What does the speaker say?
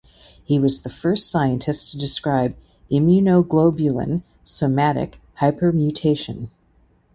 He was the first scientist to describe immunoglobulin somatic hypermutation.